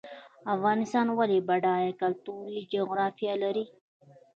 افغانستان ولې بډایه کلتوري جغرافیه لري؟